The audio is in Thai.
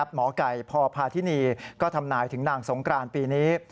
หมอไก่พพาธินีก็ทำนายถึงนางสงกรานปีนี้